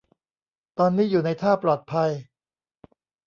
ตอนนี้อยู่ในท่าปลอดภัย